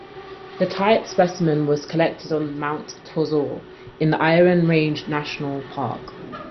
The type specimen was collected on Mount Tozer in the Iron Range National Park.